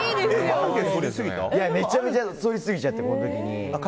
めちゃめちゃそりすぎちゃって。